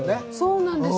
そうなんです。